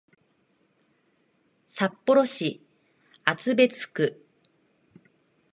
札幌市厚別区